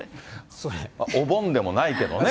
それ、お盆でもないけどね。